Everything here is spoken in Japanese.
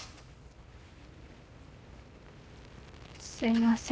すみません。